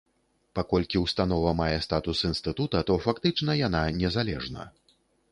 Паколькі ўстанова мае статус інстытута, то фактычна яна незалежна.